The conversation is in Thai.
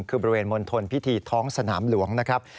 คือบริเวณมณฑลพิธีท้องสนามหลวงนะครับ